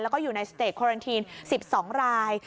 แล้วก็อยู่ในสเตจคอรันทีน๑๒ราย